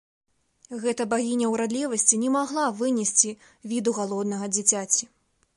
Гэта багіня ўрадлівасці не магла вынесці віду галоднага дзіцяці.